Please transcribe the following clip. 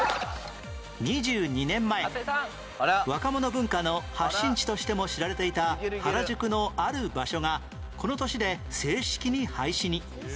２２年前若者文化の発信地としても知られていた原宿のある場所がこの年で正式に廃止に